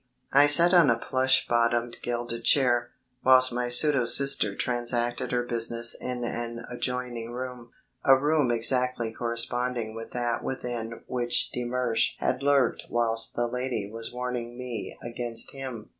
I sat on a plush bottomed gilded chair, whilst my pseudo sister transacted her business in an adjoining room a room exactly corresponding with that within which de Mersch had lurked whilst the lady was warning me against him.